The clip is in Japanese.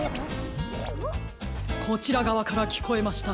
・こちらがわからきこえました！